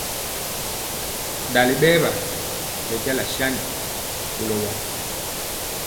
Dali bɛɛwa bɛnja saŋgi kɔlo wa.